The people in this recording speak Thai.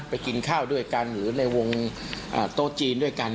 กินข้าวด้วยกันหรือในวงโต๊ะจีนด้วยกัน